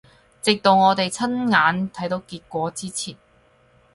直到我哋親眼睇到結果之前